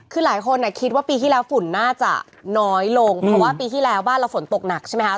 คือหลายคนคิดว่าปีที่แล้วฝุ่นน่าจะน้อยลงเพราะว่าปีที่แล้วบ้านเราฝนตกหนักใช่ไหมคะ